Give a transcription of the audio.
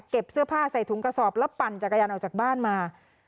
เสื้อผ้าใส่ถุงกระสอบแล้วปั่นจักรยานออกจากบ้านมา